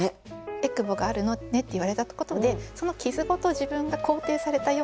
「えくぼがあるね」って言われたことでその傷ごと自分が肯定されたような気持ちになっている。